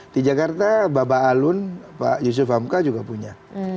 di jakarta bapak alun pak yusuf hamka juga punya